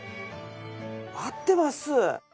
合ってます！